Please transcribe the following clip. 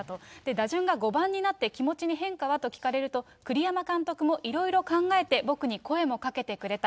打順が５番になって、気持ちに変化はと聞かれると、栗山監督もいろいろ考えて僕に声もかけてくれた。